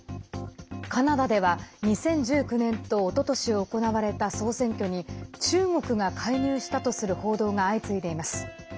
カナダでは、２０１９年とおととし行われた総選挙に中国が介入したとする報道が相次いでいます。